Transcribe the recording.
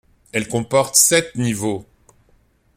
Elle comporte sept niveaux.